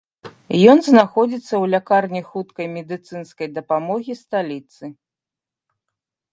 Ён знаходзіцца ў лякарні хуткай медыцынскай дапамогі сталіцы.